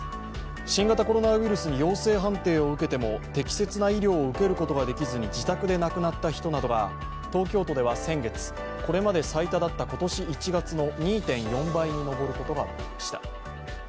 新型コロナウイルスに陽性判定を受けても、適切な医療を受けることができずに自宅で亡くなった人などが東京都では先月、これまで最多だった今年１月の２．４倍に上ることが分かりました。